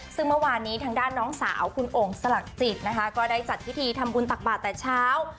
ซึ่งเมื่อวานนี้ทางด้านน้องสาวคุณโอ่งสลักจิตนะคะก็ได้จัดพิธีทำบุญตักบาทแต่เช้า